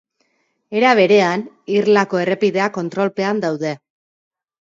Era berean, irlako errepideak kontrolpean daude.